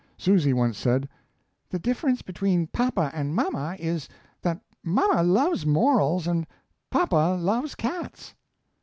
Susy once said: "The difference between papa and mama is, that mama loves morals and papa loves cats."